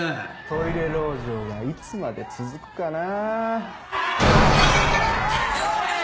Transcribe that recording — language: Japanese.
トイレ籠城がいつまで続くかな？